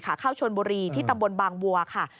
ขาข้าวชนบุรีที่ตำบลบางบัว